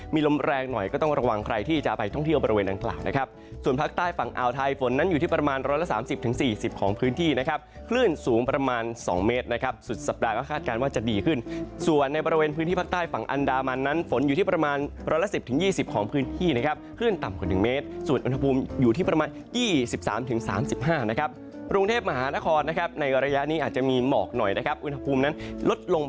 มีลมแรงหน่อยก็ต้องระวังใครที่จะไปท่องเที่ยวบริเวณอังกฤษนะครับส่วนภาคใต้ฝั่งอาวไทยฝนนั้นอยู่ที่ประมาณ๑๓๐๔๐องศาของพื้นที่นะครับคลื่นสูงประมาณ๒เมตรนะครับสุดสัปดาห์ก็คาดการณ์ว่าจะดีขึ้นส่วนในบริเวณพื้นที่ภาคใต้ฝั่งอันดามันนั้นฝนอยู่ที่ประมาณ๑๑๐๒๐องศาของพื้นที่